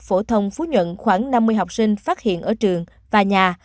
trường trung học phổ thông phú nhuận khoảng năm mươi học sinh phát hiện ở trường và nhà